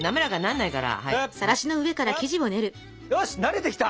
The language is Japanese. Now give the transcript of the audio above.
よし慣れてきた。